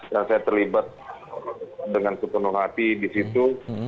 dan saya terlibat dengan ketenuhan hati di situ